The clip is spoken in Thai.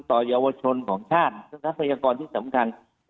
ต่อยาวชนของชาติรัฐพยากรที่สำคัญ